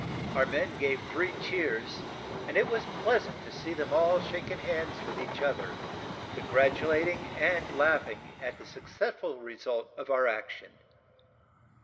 Our men gave three cheers; and it was pleasant to see them all shaking hands with each other, congratulating and laughing at the successful result of our action.